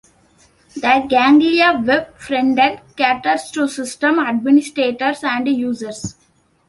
The Ganglia web front-end caters to system administrators and users.